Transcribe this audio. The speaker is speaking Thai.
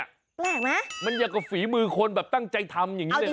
แปลกไหมมันเกี่ยวกับฝีมือคนแบบตั้งใจทำอย่างนี้เลยนะ